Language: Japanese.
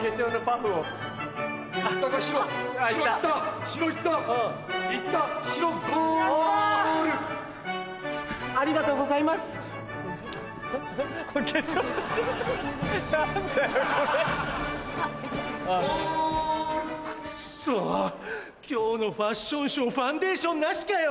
クソ今日のファッションショーファンデーションなしかよ。